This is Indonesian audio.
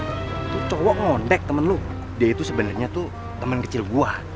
itu cowok ngondek temen lu dia itu sebenernya tuh temen kecil gue